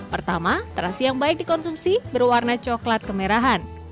pertama terasi yang baik dikonsumsi berwarna coklat kemerahan